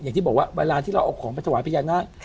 อย่างที่บอกว่าเวลาที่เราเอาของไปถวายพญานาค